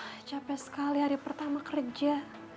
ya allah capek sekali hari pertama kerja